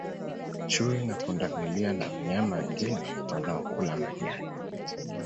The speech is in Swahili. Chui na pundamilia na wanyama wengine wanaokula majani